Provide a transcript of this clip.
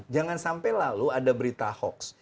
jangan sampai lalu ada berita hoax